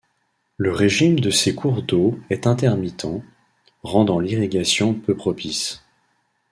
Le régime de ces cours d'eau est intermittent, rendant l'irrigation peu propice.